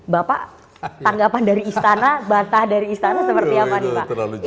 bapak tanggapan dari istana bantah dari istana seperti apa nih pak